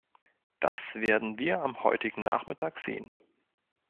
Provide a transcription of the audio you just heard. Das werden wir am heutigen Nachmittag sehen.